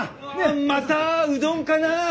あまたうどんかな？